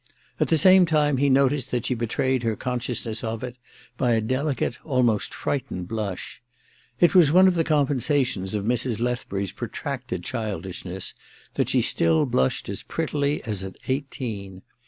At the same time, he noticed that she betrayed her consciousness of it by a delicate, almost frightened blush. It was one of the compensa tions of Mrs. Lethbury's protracted childishness that she still blushed as prettily as at eighteen.